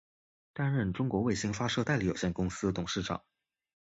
担任中国卫星发射代理有限公司董事长。